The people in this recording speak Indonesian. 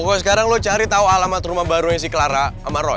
pokoknya sekarang lu cari tahu alamat rumah baru yang si clara sama roy